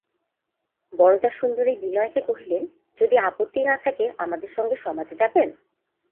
বরদাসুন্দরী বিনয়কে কহিলেন, যদি আপত্তি না থাকে আমাদের সঙ্গে সমাজে যাবেন?